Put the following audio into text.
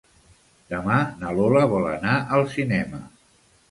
Demà na Lola vol anar al cinema.